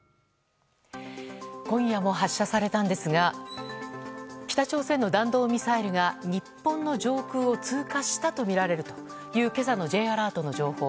今夜も発射されたんですが北朝鮮の弾道ミサイルが日本の上空を通過したとみられるという今朝のＪアラートの情報。